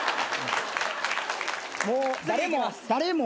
もう誰も。